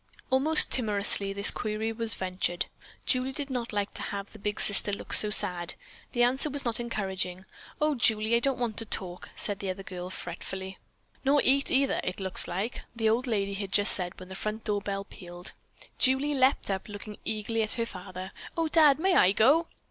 Almost timorously this query was ventured. Julie did not like to have the big sister look so sad. The answer was not encouraging. "Oh, Julie, I don't want to talk," the other girl said fretfully. "Nor eat, neither, it looks like," the old lady had just said when the front door bell pealed. Julie leaped up, looking eagerly at her father. "Oh, Dad, may I go?"